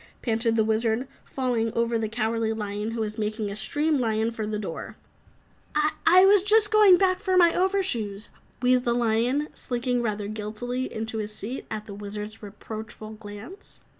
panted the Wizard, falling over the Cowardly Lion who was making a stream lion for the door. "I was just going back for my over shoes," wheezed the lion, slinking rather guiltily into his seat at the Wizard's reproachful glance.